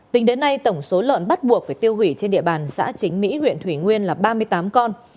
tính đến nay tổng số lợn bắt buộc phải tiêu hủy trên địa bàn xã chính mỹ huyện thủy nguyên là ba mươi tám con